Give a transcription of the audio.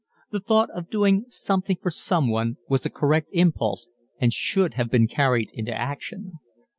The thought of doing something for someone was a correct impulse and should have been carried into action.